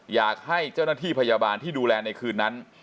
อยากให้เจ้าหน้าที่พยาบาลที่ดูแลในคืนนั้น